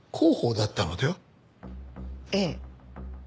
ええ。